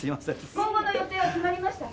今後の予定は決まりましたか？